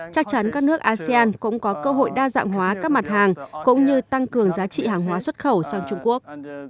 chắc chắn các nước asean cũng có cơ hội đa dạng hóa các mặt hàng cũng như tăng cường giá trị hàng hóa xuất khẩu sang trung quốc